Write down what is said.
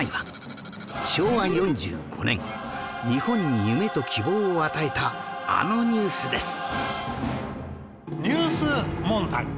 日本に夢と希望を与えたあのニュースです